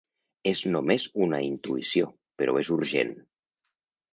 És només una intuïció, però és urgent!